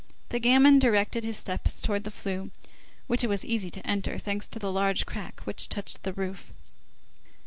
The gamin directed his steps towards the flue, which it was easy to enter, thanks to a large crack which touched the roof.